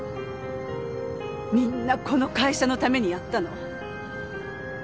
みんなこの会社のためにやったの。